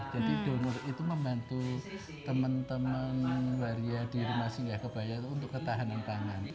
jadi donor itu membantu teman teman waria di rumah singgah gebaya untuk ketahanan pangan